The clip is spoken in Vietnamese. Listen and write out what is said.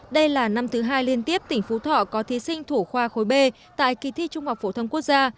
đây là năm thứ hai liên tiếp tỉnh phú thọ có thí sinh thủ khoa khối b tại kỳ thi trung học phổ thông quốc gia